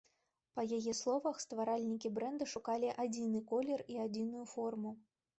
Па яе словах, стваральнікі брэнда шукалі адзіны колер і адзіную форму.